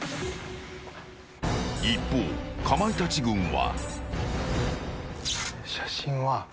一方、かまいたち軍は。